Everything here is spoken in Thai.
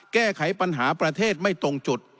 แก้ไขปัญหาประเทศไม่ตรงจุด